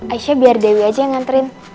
aisyah biar dewi aja yang nganterin